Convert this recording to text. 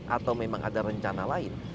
atau memang ada rencana lain